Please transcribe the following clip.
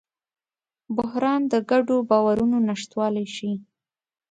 بحران د ګډو باورونو نشتوالی ښيي.